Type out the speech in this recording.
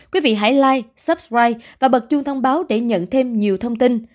quý vị hãy like subscribe và bật chuông thông báo để nhận thêm nhiều thông tin